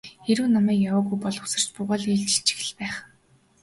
Хэрэв намайг яваагүй бол үсэрч буугаад ээлжилчих л байх.